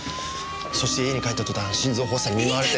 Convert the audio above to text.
そして家に帰った途端心臓発作に見舞われて。